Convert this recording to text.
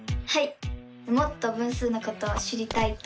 もっと分数のことを知りたいと思いました。